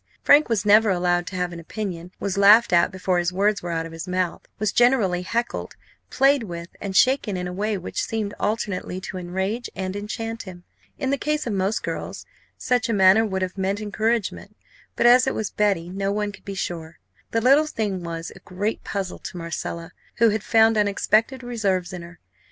Frank was never allowed to have an opinion; was laughed at before his words were out of his mouth; was generally heckled, played with, and shaken in a way which seemed alternately to enrage and enchant him. In the case of most girls, such a manner would have meant encouragement; but, as it was Betty, no one could be sure. The little thing was a great puzzle to Marcella, who had found unexpected reserves in her.